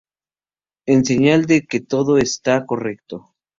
en señal de que todo está correcto